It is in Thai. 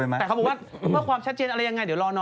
แต่เขาบอกว่าอยู่ตรงไหน